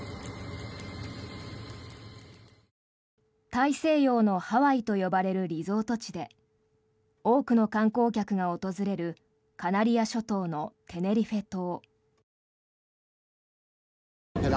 大西洋のハワイと呼ばれるリゾート地で多くの観光客が訪れるカナリア諸島のテネリフェ島。